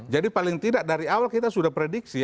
jadi paling tidak dari awal kita sudah prediksi